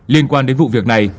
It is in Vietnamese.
liên quan đến vụ việc này